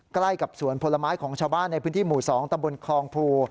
ใกล้กับสวนผลไม้ของชาวบ้านในพื้นที่หมู่๒ตำบลคลองภู